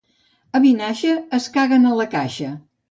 A Vinaixa es caguen a la caixa.